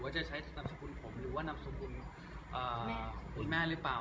ว่าจะใช้นำสคุณผมรู้ว่านำสคุณ